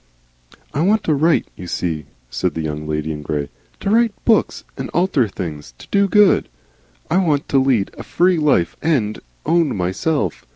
"I want to write, you see," said the Young Lady in Grey, "to write Books and alter things. To do Good. I want to lead a Free Life and Own myself.